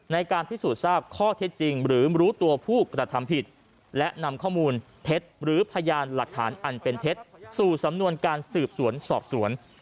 ในการพิสูจน์ทราบข้อเท็จจริงหรือรู้ตัวผู้กระทำผิดและนำข้อมูลเท็จหรือพยานหลักฐานอันเป็นเท็จสู่สำนวนการสืบสวนสอบสวน